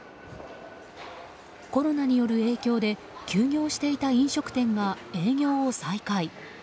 コロナによる影響で休業していた飲食店が営業を再開。